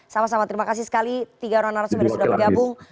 sama sama terima kasih sekali tiga orang narasumber yang sudah bergabung